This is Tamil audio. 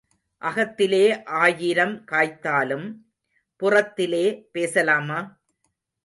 அகத்திலே ஆயிரம் காய்த்தாலும் புறத்திலே பேசலாமா?